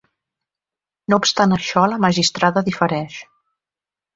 No obstant això, la magistrada difereix.